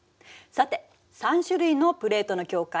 さて３種類のプレートの境界。